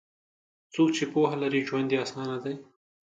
څوک چې پوهه لري، ژوند یې اسانه دی.